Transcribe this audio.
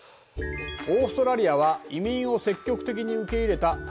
オーストラリアは移民を積極的に受け入れた多文化社会だ。